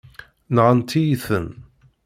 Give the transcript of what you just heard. Nɣant-iyi-ten.